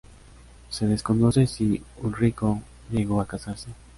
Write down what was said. Se desconoce si Ulrico llegó a casarse.